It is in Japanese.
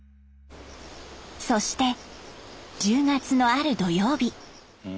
そして１０月のある土曜日。